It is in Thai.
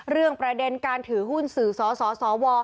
เรื่องประเด็นการถือหุ้นสื่อสสว